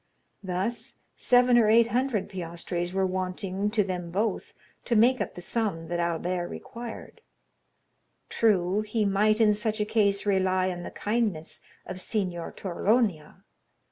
Thus seven or eight hundred piastres were wanting to them both to make up the sum that Albert required. True, he might in such a case rely on the kindness of Signor Torlonia.